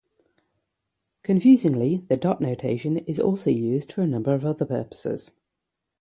Confusingly the "dot notation" is also used for a number of other purposes.